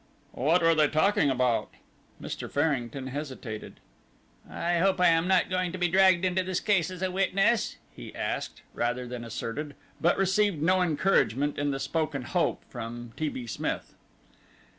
"What were they talking about?" Mr. Farrington hesitated. "I hope I am not going to be dragged into this case as a witness?" he asked, rather than asserted, but received no encouragement in the spoken hope from T. B. Smith.